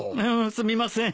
すみません。